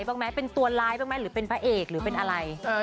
เขาจะให้เล่นละครสามคนเลยกันหรือคะ